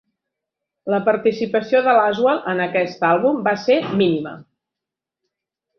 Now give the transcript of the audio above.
La participació de Laswell en aquest àlbum va ser mínima.